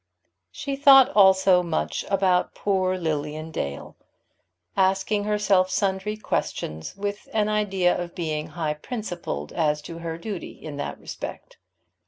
She thought also much about poor Lilian Dale, asking herself sundry questions, with an idea of being high principled as to her duty in that respect.